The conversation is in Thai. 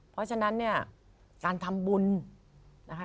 เพราะฉะนั้นเนี่ยการทำบุญนะคะ